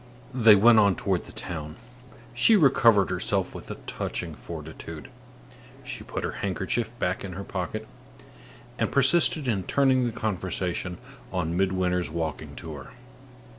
They went on toward the town. She recovered herself with a touching fortitude; she put her handkerchief back in her pocket, and persisted in turning the conversation on Midwinter's walking tour.